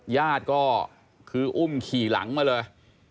ญาติก็คืออุ้มขี่หลังมาเลย